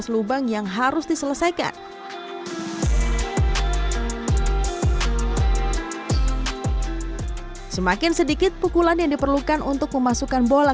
lubang yang harus diselesaikan semakin sedikit pukulan yang diperlukan untuk memasukkan bola